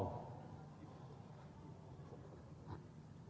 คุณรู้ไหมครับ